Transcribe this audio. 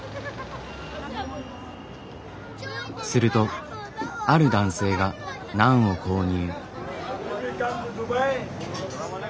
するとある男性がナンを購入。